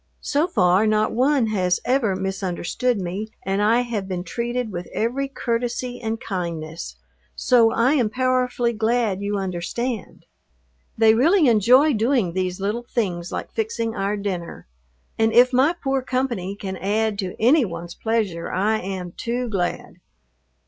So far not one has ever misunderstood me and I have been treated with every courtesy and kindness, so I am powerfully glad you understand. They really enjoy doing these little things like fixing our dinner, and if my poor company can add to any one's pleasure I am too glad.